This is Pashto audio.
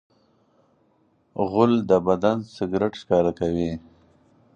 غول د بدن سګرټ ښکاره کوي.